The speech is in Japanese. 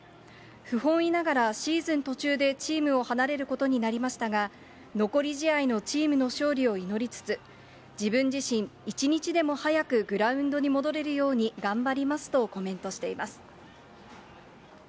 不本意ながらシーズン途中でチームを離れることになりましたが、残り試合のチームの勝利を祈りつつ、自分自身、一日でも早くグラウンドに戻れるように頑張りますとコメントしています。